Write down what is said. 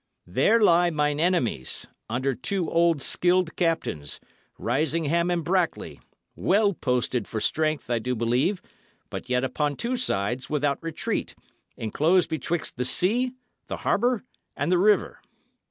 There lie mine enemies, under two old, skilled captains Risingham and Brackley well posted for strength, I do believe, but yet upon two sides without retreat, enclosed betwixt the sea, the harbour, and the river.